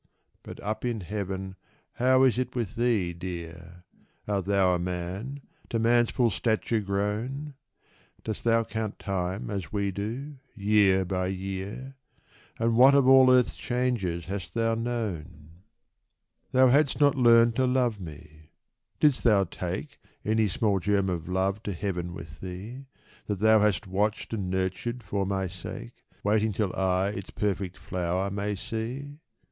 But — up in heaven — how is it with thee, dear ? Art thou a man — to man's full stature grown ? Dost thou count time as we do, year by year ? And what of all earth's changes hast thou known ? Thou hadst not learned to love me. Didst thou take Any small germ of love to heaven with thee, That thou hast watched and nurtured for my sake, Waiting till I its perfect flower may see